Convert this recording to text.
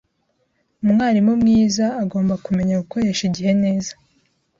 Umwarimu mwiza agomba kumenya gukoresha igihe neza.